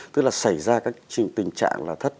tức là xảy ra các tình trạng là thất